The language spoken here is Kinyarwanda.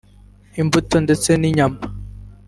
imbuto ndetse n’inyama